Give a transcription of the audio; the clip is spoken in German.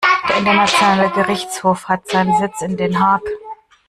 Der internationale Gerichtshof hat seinen Sitz in Den Haag.